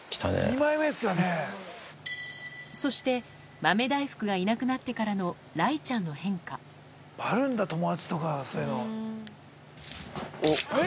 そして豆大福がいなくなってからのあるんだ友達とかそういうの。